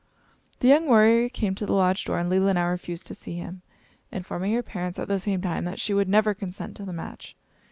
The young warrior came to the lodge door, and Leelinau refused to see him, informing her parents, at the same time, that she would never consent to the match.